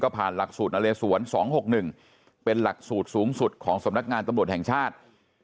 ผ่านหลักสูตรนเลสวน๒๖๑เป็นหลักสูตรสูงสุดของสำนักงานตำรวจแห่งชาติ